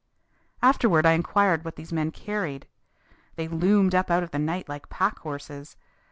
Afterward I inquired what these men carried. They loomed up out of the night like pack horses.